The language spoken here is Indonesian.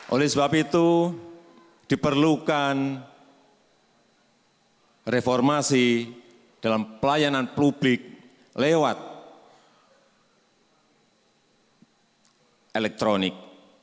oleh sebab itu diperlukan reformasi dalam pelayanan publik lewat elektronik